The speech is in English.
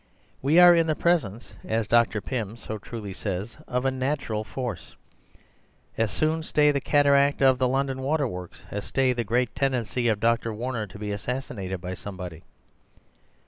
We are in the presence, as Dr. Pym so truly says, of a natural force. As soon stay the cataract of the London water works as stay the great tendency of Dr. Warner to be assassinated by somebody.